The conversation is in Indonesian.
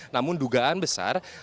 namun dugaan besar